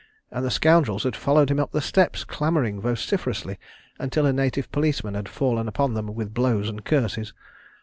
—and the scoundrels had followed him up the steps clamouring vociferously, until a native policeman had fallen upon them with blows and curses.